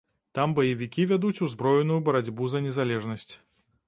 Там баевікі вядуць узброеную барацьбу за незалежнасць.